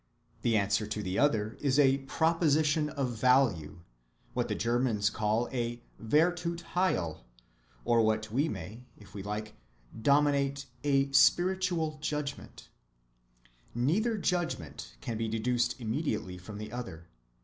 The answer to the other is a proposition of value, what the Germans call a Werthurtheil, or what we may, if we like, denominate a spiritual judgment. Neither judgment can be deduced immediately from the other.